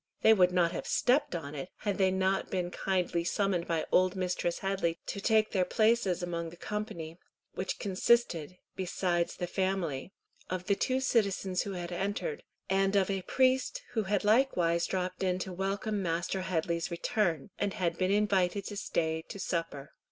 They would not have stepped on it, had they not been kindly summoned by old Mistress Headley to take their places among the company, which consisted, besides the family, of the two citizens who had entered, and of a priest who had likewise dropped in to welcome Master Headley's return, and had been invited to stay to supper.